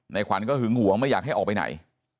ขวัญก็หึงหวงไม่อยากให้ออกไปไหน